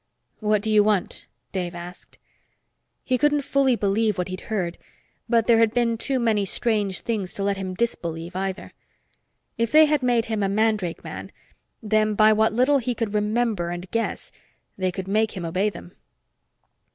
"What do you want?" Dave asked. He couldn't fully believe what he'd heard, but there had been too many strange things to let him disbelieve, either. If they had made him a mandrake man, then by what little he could remember and guess, they could make him obey them.